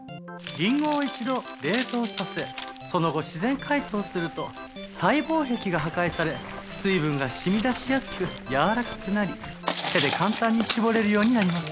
リンゴを一度冷凍させその後自然解凍すると細胞壁が破壊され水分が染み出しやすくやわらかくなり手で簡単に搾れるようになります。